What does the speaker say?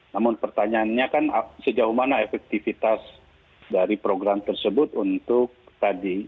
namun pertanyaannya kan sejauh mana efektivitas dari program tersebut untuk tadi